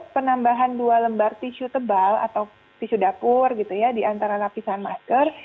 penambahan dua lembar tisu tebal atau tisu dapur gitu ya diantara lapisan masker